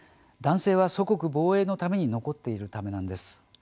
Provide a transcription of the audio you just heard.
男性は祖国防衛のために残っているためなんです。